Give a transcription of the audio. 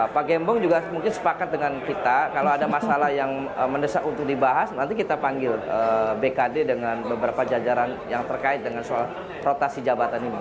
pak gembong juga mungkin sepakat dengan kita kalau ada masalah yang mendesak untuk dibahas nanti kita panggil bkd dengan beberapa jajaran yang terkait dengan soal rotasi jabatan ini